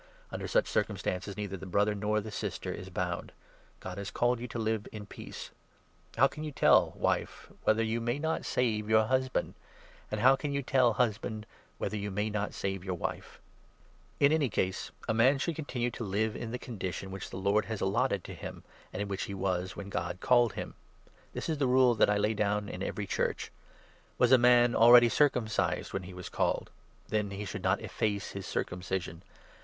Under such circumstances neither the Brother nor the Sister is bound ; God has called you to live in peace. How can you i( tell, wife, whether you may not save your husband ? and how can you tell, husband, whether you may not save yo'ur wife? In any case, a man should continue to live in the i; independent condition which the Lord has allotted to him, and or conditions in which he was when God called him. This °ruf* is the rule that I lay down in every Church. Was it a man already circumcised when he was called ? Then he should not efface his circumcision.